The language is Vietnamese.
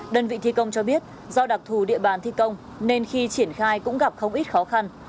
đơn vị thi công cho biết do đặc thù địa bàn thi công nên khi triển khai cũng gặp không ít khó khăn